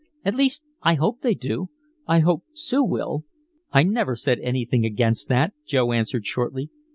"At least I hope they do. I hope Sue will." "I never said anything against that," Joe answered shortly.